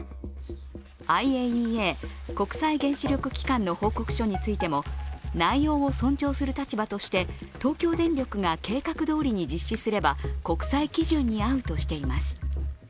ＩＡＥＡ＝国際原子力機関の報告書についても、内容を尊重する立場として東京電力が計画どおりに実施すれば国際基準に合うとしています。